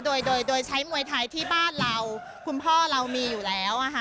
โดยโดยใช้มวยไทยที่บ้านเราคุณพ่อเรามีอยู่แล้ว